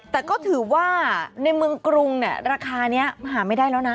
แต่ก็ถือว่าในเมืองกรุงเนี่ยราคานี้หาไม่ได้แล้วนะ